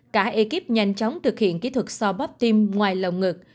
cả ekip nhanh chóng thực hiện kỹ thuật so bắp tim ngoài lồng ngực